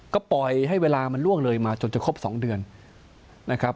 ก็ปล่อยให้เวลามันล่วงเลยมาจนจะครบ๒เดือนนะครับ